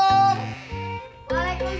siapa ya yang login sis